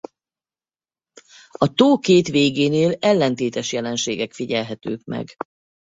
A tó két végénél ellentétes jelenségek figyelhetők meg.